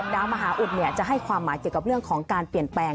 มหาอุดจะให้ความหมายเกี่ยวกับเรื่องของการเปลี่ยนแปลง